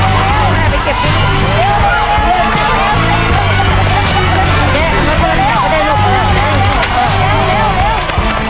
ว่ามันมาเชียร์และไปด้วยนะฮะ